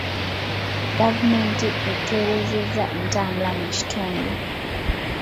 Gavumenti etereezezza entambula mu kitundu.